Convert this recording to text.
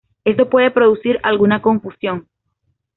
Esto puede producir alguna confusión.